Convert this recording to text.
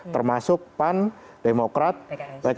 termasuk pan demokrat pks